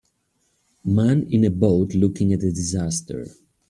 man in a boat looking at a disaster.